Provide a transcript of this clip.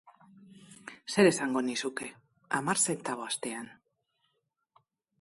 Zer esango nizuke... hamar zentabo astean.